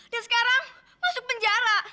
dan sekarang masuk penjara